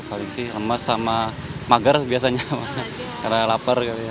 paling sih lemes sama mager biasanya karena lapar